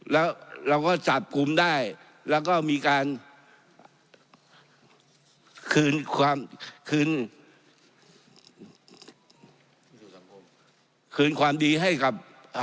แล้วเราก็จับกลุ่มได้แล้วก็มีการคืนความดีให้กับ